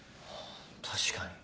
確かに。